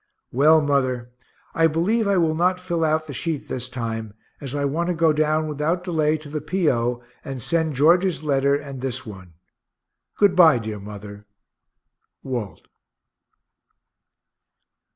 Well, mother, I believe I will not fill out the sheet this time, as I want to go down without delay to the P. O. and send George's letter and this one. Good bye, dear mother. WALT.